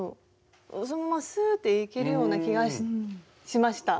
そのまますっていけるような気がしました。